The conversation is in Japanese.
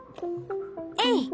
えい！